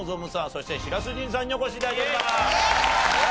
そして白洲迅さんにお越し頂いております。